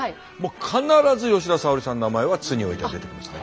必ず吉田沙保里さんの名前は津においては出てきますね。